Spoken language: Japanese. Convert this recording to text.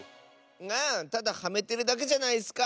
あただはめてるだけじゃないッスか！